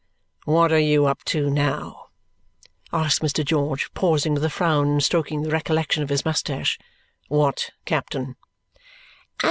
"What are you up to, now?" asks Mr. George, pausing with a frown in stroking the recollection of his moustache. "What captain?"